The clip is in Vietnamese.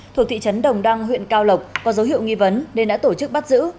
thuộc thị trấn đồng đăng huyện cao lộc có dấu hiệu nghi vấn nên đã tổ chức bắt giữ